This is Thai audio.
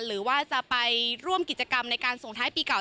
หรือว่าจะไปร่วมกิจกรรมในการส่งท้ายปีเก่า